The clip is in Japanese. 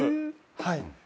はい。